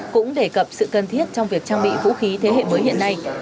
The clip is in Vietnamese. cũng đề cập sự cần thiết trong việc trang bị vũ khí thế hệ mới hiện nay